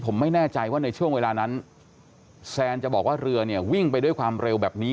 ผมไม่แน่ใจว่าในช่วงเวลานั้นแซนจะบอกว่าเรือเนี่ยวิ่งไปด้วยความเร็วแบบนี้